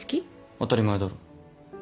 当たり前だろ。